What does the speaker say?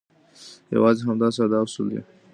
یوازې همدا ساده اصول دي.